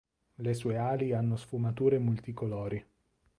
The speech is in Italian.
Le sue ali hanno sfumature multicolori.